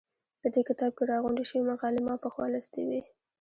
په دې کتاب کې راغونډې شوې مقالې ما پخوا لوستې وې.